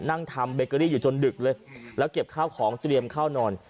นั่งทำเบเกอรี่อยู่จนดึกเลยแล้วเก็บข้าวของเตรียมข้าวนอน